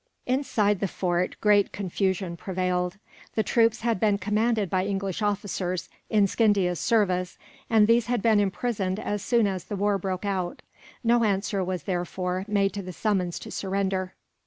Inside the fort great confusion prevailed. The troops had been commanded by English officers, in Scindia's service, and these had been imprisoned as soon as the war broke out. No answer was, therefore, made to the summons to surrender.